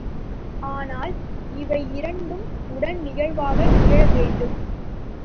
ஆனால் இவையிரண்டும் உடன் நிகழ்வாக நிகழ வேண்டும்.